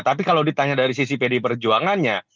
tapi kalau ditanya dari sisi pdi perjuangannya